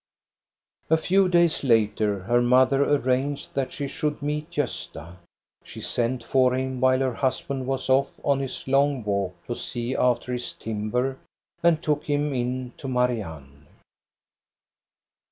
A few days later her mother arranged that she should meet Gosta. She sent for him while her II 1 62 THE STORY OF GO ST A BE RUNG husband was off on his long walk to see after his timber, and took him in to Marianne.